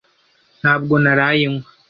Ntabwo naraye nywa.